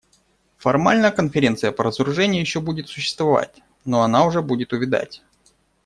Формально Конференция по разоружению еще будет существовать, но она уже будет увядать.